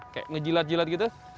kayak ngejilat jilat gitu